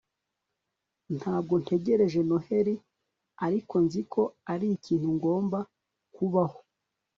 ntabwo ntegereje noheri, ariko nzi ko ari ikintu ngomba kubaho